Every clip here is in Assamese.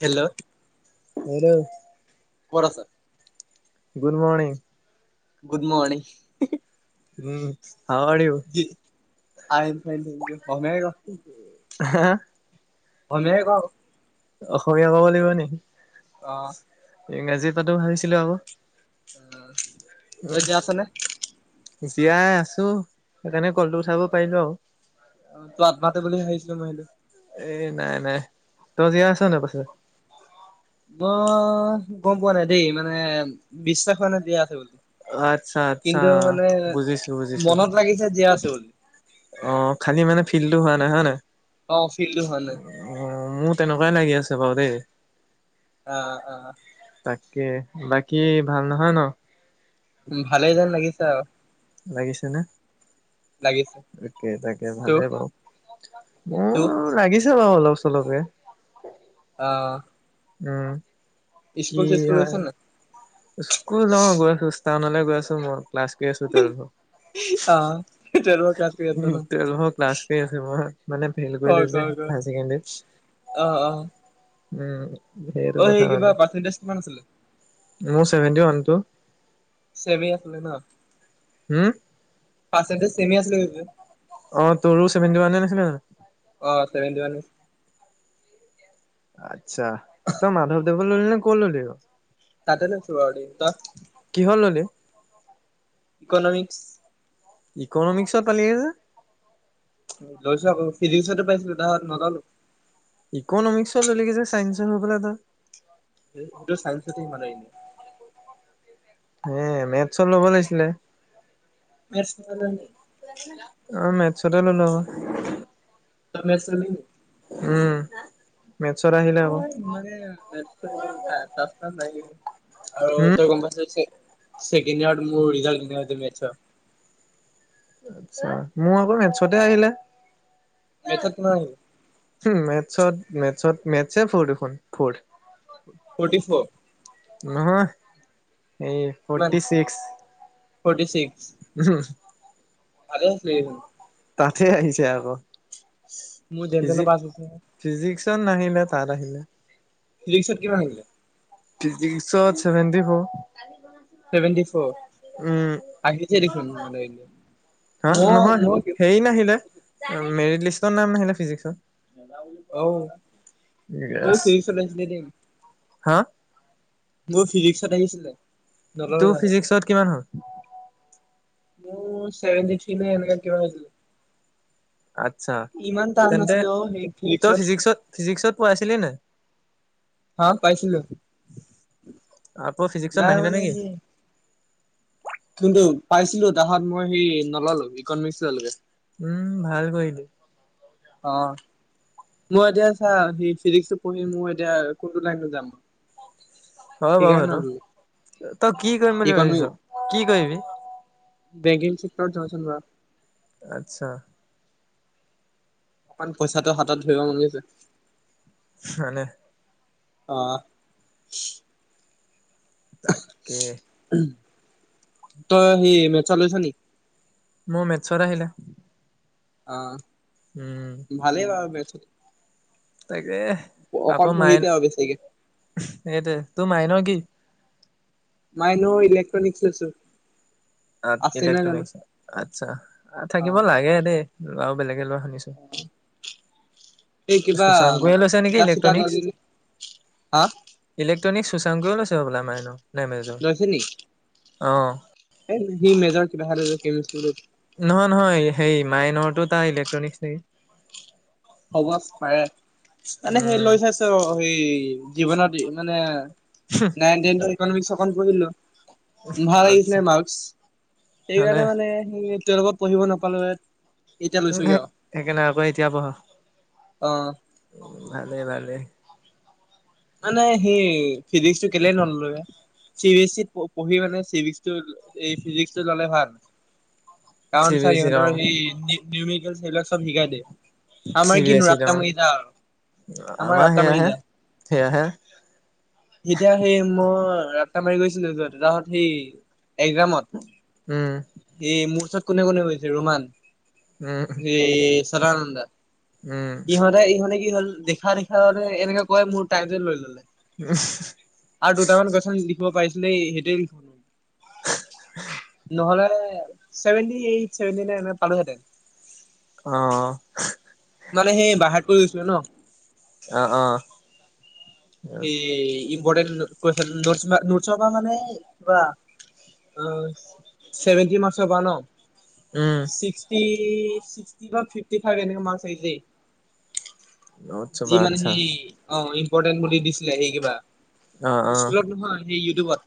হেল্ল' হেল্ল' কত আছা [unintelligible] গুড মৰণিং [unintelligible] গুড মৰ্ণিং হী হী [unintelligible] উম how are U [unintelligible] I am fine thank U [unintelligible] হা এনেই [unintelligible] ক অসমীয়া ক'ব লাগিব নেকি? আহ ইংৰাজী এটাতো হৈছিলে। [unintelligible] আহ এতিয়া আছনে [unintelligible] জীয়াই আছো সেইকাৰণে কলটো উঠাব পাৰিলো আৰু অ তোৰ আত্মাতো বুলি ভাবিছিলো মই বোলো [unintelligible] [unintelligible] এ নাই নাই তই জিয়াই আছ নাই [unintelligible] পাছে। মই গম পোৱা নাই দেই মানে বিশ্বাস হোৱা নাই দিয়া আছো বুলি। [unintelligible] আচ্ছা আচ্ছা কিন্তু মানে বুজিছো বুজিছো। মনত লাগিছে জীয়াই আছে বুলি অ খালি মানে ফিল্ডটো হোৱা নাই হয় নাই অ ফিলটো হোৱা নাই অ [unintelligible] মোৰ তেনেকুৱাই লাগি আছে বাৰু দেই অ অ। তাকে বাকী ভাল নহয় ন। ভালেই যেন লাগিছে আও লাগিছে নে? লাগিছে তাকে তাকে ত ভালে বাৰু ত মোৰ লাগিছে। অলপ চলপে। অ। উম কি স্কুল চিস্কুল হয় গৈছ নাই স্কুল গৈ আছো। টাউনলৈ গৈ আছো মই ক্লাছ ক আছো টুৱেলভ। অ টুৱেলভৰ ক্লাছ কৰি আছ উম ন টোৱেলভ ক্লাছ কৰি আছো মই মানে ফেইল কৰি লৈ যে হাই ছেকেণ্ডাৰী আহ আহ। উম সেইটো কথা মানে, কিমান আছিলে মোৰ চেভেন্টি ওৱান টো। চেভে আছিল ন? হম। পাৰ্চেণ্টেজ চেমি আছিলে তেন্তে অ তোৰোচে ছেভেন্তি ৱান নাছিলে জানো? অ ছেভেন্টি ওৱান আচ্ছা তই মাধৱদেৱ বুলি ললি নে কত ললি বাও তাতে লৈছো বাৰু দেই তই কিহত ললি ইকনমিক্স। ইকনমিক্সত পালিগে যে? লৈছো আকৌ ফিজিক্সতো পাইছিলো নললো। ইকনমিক্সত ললিগে যে ছাইন্সৰ হৈ পেলাই তই? এইটো চাইন্সতে মানে এনে, এ মেথছত ল'ব লাগিছিলে নেশচনেলী [unintelligible] অ মেথছতে ললো আক। তই মেথছ ললি নি? উম। মেথছত আহিলে অ আকৌ মানে মেৰুত টান নাই নেকি? আৰু হম তই গম পাইছ চো চেকেণ্ডয়াৰত মোৰ ৰিজাল্ট কেনেকুৱা হৈছে মথচত আচছা মোৰ আকৌ মেথচতে আহিলে মেথছত কিমান আহিল মেথছত মেথচত মেথতছে ফৰ দেখোন ফৌৰ্থ ফৰ্টি ফৰ নহয় এই কিমান ফটি চিক্স ফৰ্টি ছিক্স ভালে হৈছিলে চোন তাতে আহিছে আকৌ [unintelligible] ফি পাছ হৈছে ফিজিক্সত নাহিলে তাত আহিলে ফ্ৰিক্সত কিমান আহিলে physics seventy four seventy four um আহিছে দেখোন মানে হা মই নহয় মই হেৰি নাহিলে মেৰিট লিষ্টৰ নাম নাহিলে ফিজিক্সৰ অ মোৰ য়েছ ফিজিক্সত আহিছিলে দেই হা মোৰ ফিজিক্সত আহিছিলে তোৰ নলবাৰীত ফিজিক্সত কিমান হ'ল মোৰ চেভেনটি থ্ৰী ন এনেকা কিমান হৈছিলে আত্ছা তেন্তে অ সেই তই ফিজিক্সত ফিজিক্সত পঢ়াইছিলি নে [inaudible] হা পাইছিলো আকৌ ফিজিক্সত নাই নাহিলে মানে নেকি সি কিন্তু পাইছিলো তাহত মই সেই নললো ইকনমিক্স ললোগে উম ভাল কৰিলো অহ মই এতিয়া চা সি ফিজিক্সত পঢ়ি মই এতিয়া কোনটো লাইনত যাম হয় বাৰু সেইকাৰণে সেটো নললো তই কি কৰিম বুলি ইকনমি ভাবিছ কি কিবি [unintelligible] আচ্ছা অকমান পইচাটো হাতত ধৰিব মন গৈছে হয়নে অহ তাকে ত সি মেটছত লৈছা নি মোৰ মেটছত আহিলে উম আহ ভালেই বাৰু মেটছত তাকে অকণ আকৌ মাইন পঢ়িলে আৰু বেছিকে এইটো তোৰ মাইনৰ কি মাইনৰ ইলেকট্ৰনিক্ লৈছো আছে নাই জানো ইলেক্ট্ৰনিক আচ্ছা অ থাকিব লাগে দেই লোৱাও বেলেগে লোৱা শুনিছো এই কিবা সুশাংকয়ে লৈছে নেকি কিতাপ চিতাপ ইলেক্ট্ৰনিক্স ললি নে হা তনিক সুশাংকয়ো লৈছে হ'বলা মাইনৰ লৈছে নি অঁ [unintelligible] নহয় নহয় সেই মাইনৰটো তাৰ ইলেক্ট্ৰনিক্স নেকি হ'ব পাৰে মানে সেই উম লৈ চাইছো সেই জীৱনত মানে নাই টেনটো ইকনমিক্স অকন পঢ়িলো ভাল আহিছিলে আচ্ছা মাৰ্ক সেইকাৰণে মানে সি তেওঁল লগত পঢ়িব নাপালো ইয়াত উ সে সেইকাৰনেহ আকৌ এতিয়া পঢ়া অ উ ভালে ভালে মানে সেই ফিজিক্সটো কেলে নললো চি বিএ ছিত ই প পঢ়ি মানে চিভিক্সটো ফিজিক্সটো ল'লে ভাল কাৰণ চি বি ছাৰ এছ ইত অ সিহঁতৰ সেই নিউমিকেল সেইবিলাক চব শিকাই দিয়ে। চি আমাৰ বি কিনো এছি ত ৰাত্তা অ মাৰি যা আৰু আমাৰ ৰাত্তা মাৰি সেয়াহে যা। সেয়াহে। এতিয়া সেই মই ৰাস্তা মাৰি গৈছিলো যে তাহত সি উম একজামত এই মোৰ ওচৰত কোনে কোনে গৈছে ৰোমান উম সে সদানন্দ উম ইহঁতে ইহঁতে কি হল দেখা দেখা এনেকে কয় মোৰ টাইমটোৱে লৈ ললে উম আৰু দুটামান কুৱেশ্যন লিখিব পাৰছিলে সেই সেটোৱেই লিখ নহলে চেভেণ্টি এইট চেভেণ্টি নাইন মান পালো হেতেন অহ মানে সেই বাহাত কৰি গৈছিলে ন অ অ সে ইম্পটেণ্ট কুৱেশ্যন নোচ মা নোচ পা মানে কিবা আহ ছেভেনণ্টি মাৰ্ক্সৰ পা ন উম চিক্সটি চিক্সটি বা ফিফটি ফাইভ এনেকে মাৰ্ক্স আহিছেই যি চবা মানে আচ্ছা সেই অ ইম্পৰ্টেণ্ট বুলি দিছিলে সেই কিবা অ', অ', স্কুলত নহয় সেই ইউটিউবত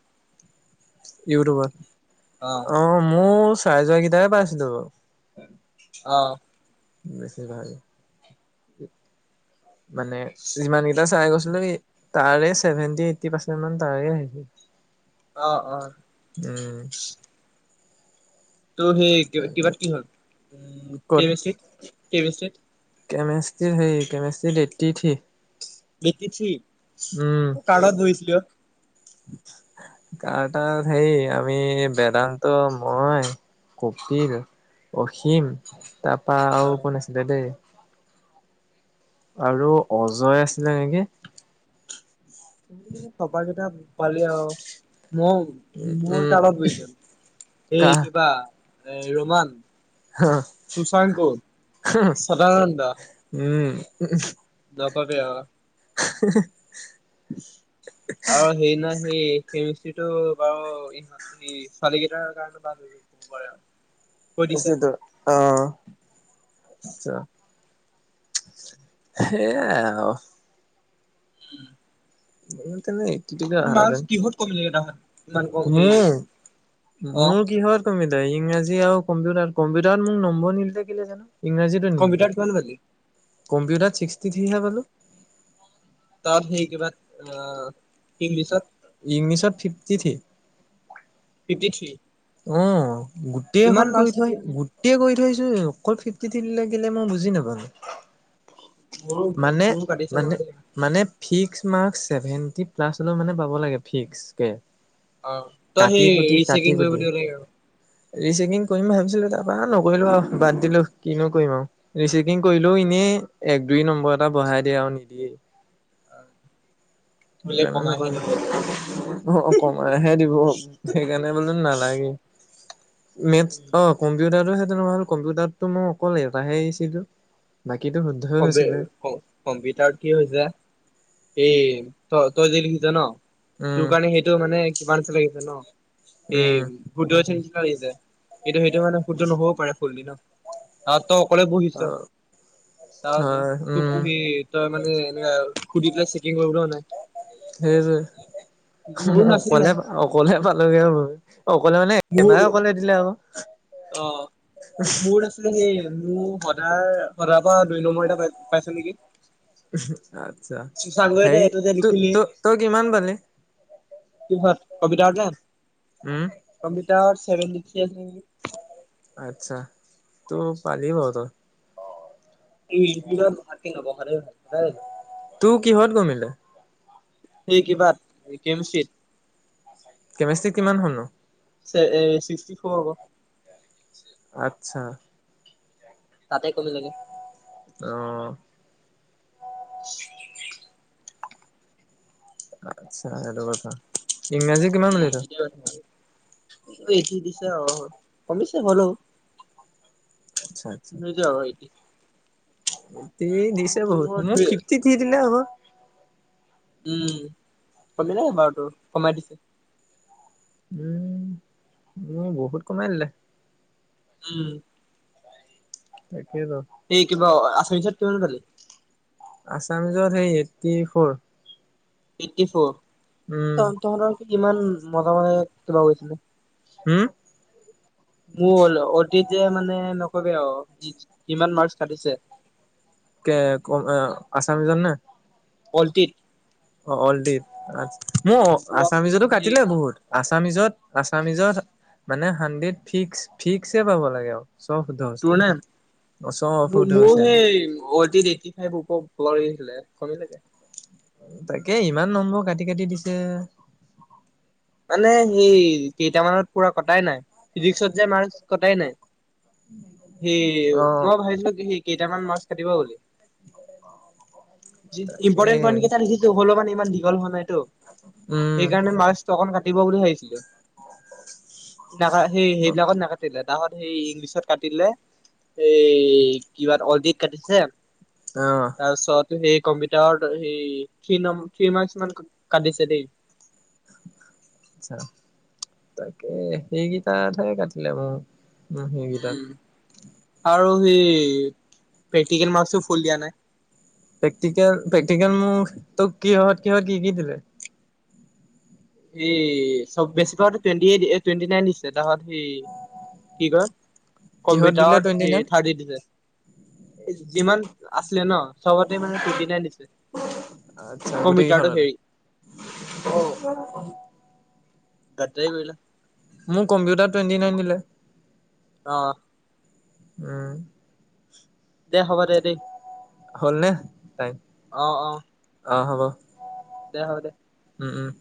ইউটিউবত অ মোৰ চাই যোৱা কিতাপে পাইছিলো বাৰু অ বেছি ভাল মানে যিমান কেইটা চাই গৈছো লৈছে তাৰে ছেভেনটি এইটটি পাৰ্চেন্ট মান তাৰে আহিছে অ অ উম ত' সেই কিবাত কি হ'ল উ কে ক'ত ৱাই চিত কে ৱাই চিত সেই কে ৱাই চিত এইট্ৰি থ্ৰি এইট্ৰি থ্ৰি কাৰ লগত বহিছিলি অ [inaudible] কাৰ তাত সেৰি আমি বেদান্ত মই কপিল অসীম তাৰপা অ আৰু কোন আছিলে দেই আৰু অজয় আছিলে নেকি। তপাকেইটা পালি আৰু ময়ো উম মোৰ উম তালত বহিছো এই কাহ কিবা এ ৰমান শশাংক, চদানন্দ উম উ নাপাতে অ হি হি অ সেই নাই সে কেমিষ্ট্ৰিটো বাৰু ই ছোৱালী কেইটাৰ কাৰণে ভাল হ কব পাৰে আৰু কৈ দিছে হৈছে ত এখন অ আচ্ছা সেইয়া অহ উম কিহত [unintelligible] কমিলে তাহাত ইমান কম সেই মোৰ অ মোৰ কিহত কম ইংৰাজী আৰু কম্পিউটাৰ কম্পিউটাৰত মোক নম্বৰ নিদিলে কেলে জানো ইংৰাজীতো নিদিলে কম্পিউটাৰত কিমান পালি কম্পিউটাৰত ছিক্সটি থ্ৰীহে পালো। ত সেই কিবা অ ইংলিছত। ইংলিছত ফিফটি থি। Fifty three. অ গোটেই এখন কৰি থৈ কাটিলে নে গোটেই কৰি থৈ। অকল ফিফটি থ্ৰী লাগিলে মই বুজি নাপালো। মোৰো মানে মোৰো কাটিছে বাৰু মানে দেই মানে ফিক্স। মাৰ্কস ছেভেন্টি প্লাছ হলে মানে পাব লাগে ফিক্সকে। অ তই সেই ৰিচকিং কৰিব কুটি দিব লাগে আৰু। ৰিচেকিং কৰিম ভাবিছিলো তাৰপৰা নকৰিলো আৰু বাদ দিলো কিনো কৰিম আৰু ৰিচেকিং কৰিলো এনেই। এক দুই নম্বৰ এটা বঢ়াই দিয়ে আৰু নিদিয়েই। বোলে জানো নকো কমাইহে দিলে বোলে অ কমাইহে দিব সেইকাৰণে বোলো নালাগে? মেথছ অ কম্পিউটাৰটো সেইটো নহয় হ'ল কম্পিউটাৰতটো মই অকলে এটাহেছিলো? ক্প কম্পিউটাৰত কি হৈছে। এ ত তই যে লিখিছ ন। উম, তোৰ কাৰণে সেইটো মানে কিমান লাগিছে ন সেই উম। ভোদ। এইটো মানে সূৰ্য নহবও পাৰে ফুলদি ন তাত তই অকলে বহিছ। অ', তাৰ হয়, তোক উম, সি তই মানে এনে সুধি পেলাই চেকিং কৰিব নাই। সেই যে মোৰো নাছিলে অকলে অকলে পালোগে আৰু মই। অকলে মানে মোৰ একেবাৰে অকলে দিলে আকৌ। অ' মোৰ আছিলে সেই মোৰ দাৰ সদাৰ পৰা দুই নম্বৰ এটা পাই পাইচো নেকি? আচ্ছা শশাংকই যে সেই এইটো যে লিখিলি ত-ত তই কিমান পালি? কিহত কম্পিউটাৰ নে উম, কম্পি চেভেটি থ্ৰি আচিলে নেকি? আচ্ছা তো পালি বাৰু তই। এই ভাতখিনি নবহালেও হয়। তোৰ কিহত কমিলে? সেই কিবাত কেমচতিত। কেমেষ্ট্ৰি কিমান হলনো? ছিক্সটি ফৰ হব। আচ্ছা, তাতে কমিলে গে। অহ [inaudible] আচ্ছা, এইটো কথা। ইংৰাজী কিমান উ পালি তই? সেইটো কথা আৰু। অ কমিছে হলেও। এ দিছে বহুত মোৰ মই ধৰি ফিফটি থ্ৰী দিলে আ'। উম কমিলে বাৰু তোৰ কমাই দিছে। উম' মোৰ বহুত কমাই দিলে। উম। তাকেতো। সেই কিবা আছামিচত কিমান পালি? আছামিজৰ সেই eighty four. Eighty four um তহৰ কি কিমান মজা-মজা কিবা কৰিছিলি। হম মল তেতিয়া মানে নকবি আৰু ই কিমান মাৰ্ক কাটিছে। কে আছামিজত নে? পল্টিত। অ' অলদ্বীপ, আ মোৰ ৰচোন আছামিজতো বাৰু সেই কাটিলে বহুত, আচা আছামিজত-আছামিজত মানে হানড্ৰেড ফিক্স-ফিক্সচে পাব লাগে আৰু। চব শুদ্ধ তোৰ হৈছে নে, চব শুদ্ধ মোৰো হৈছে সেই অতি এইটি ফাইভ ওপৰত পাব লাগে। লে কমিলে গে। তাকে ইমান নম্বৰ কাটি-কাটি দিছে। মানে সেই, কেইটামানত পুৰা কটাই নাই ফিজিক্সত যে মাৰ্কচ কটাই নাই। এই অ মই ভাবিছো কি সেই কেইটামান মাৰ্কচ কাটিব বুলি। যি তাকে ইম্পৰ্টেণ্ট পইণ্ট কেইটা লিখি হ'লেও মানে ইমান দীঘল হোৱা নাইতো, উম সেইকাৰণে মাৰ্ক কাটিব বুলি ভাবিছিলো, নাকা অ সেই-সেইবিলাকত নাকাটিলে। তাহত সেই ইংলিছত কাটিলে, এই কিবাত অলতিত কাটিছে আচ্ছা তাৰছত সেই কম্পিউটাৰত, সেই থ্ৰী নম থ্ৰী মাৰ্কচ মান কাটিছে দেই। আচ্ছা, তাকে সেইকেইটাত হে কাটিলে বাৰু। ন সেইগিতাত আৰু সেই, প্ৰেক্টিকেল মাৰ্কচটো ফুল দিয়া নাই? প্ৰেক্টিকেল-প্ৰেক্টিকেল মোৰ, তোক কিহত-কিহত কি-কি দিলে? এই চব বেছিপোৱাটো টুৱেণ্টি এইট, এ টুৱেণ্টি নাইন দিছে। তাহত সি, কি কয় কিহত দিলে কম্পিউটাৰত টুৱেণ্টি সি নাইন থাৰ্টি দিছে। এ যিমান আছিলে ন? চবতে মানে টুৱেন্টি নাইন দিছে। আচ্ছা গোটেই কম্পিউটাৰটো কেইখনতে হেৰি, অ' গাদ্দাৰী কৰিলে মোক কম্পিউটাৰ টুৱেণ্টি নাইন দিলে। অ'। উম। দে হব দে, দেই। হ'ল নে, নাই? অ' অ'। অ' হব। দে হব দে। উম উম।